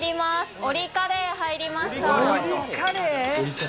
オリカレー入りました。